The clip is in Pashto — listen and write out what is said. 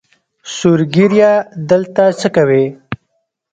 سور ږیریه دلته څۀ کوې؟